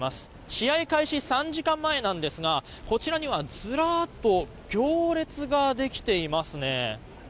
試合開始３時間前なんですがこちらには、ずらーっと行列ができていますね。